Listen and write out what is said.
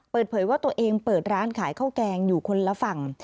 เปิดเผยว่าตัวเองเปิดร้านขายข้าวแกงอยู่คนละฝั่ง